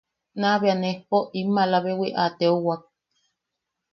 Nakbea nejpo in malabewi a teuwak.